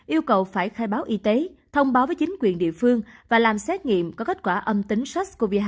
yêu cầu phải khai báo y tế thông báo với chính quyền địa phương và làm xét nghiệm có kết quả âm tính sars cov hai